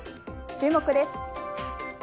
注目です。